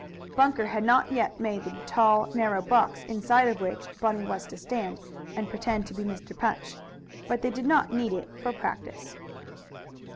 Banker had not yet made the tall, narrow box, inside of which Bunny was to stand, and pretend to be Mr. Punch, but they did not need it for practice.